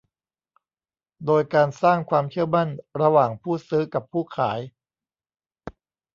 โดยการสร้างความเชื่อมั่นระหว่างผู้ซื้อกับผู้ขาย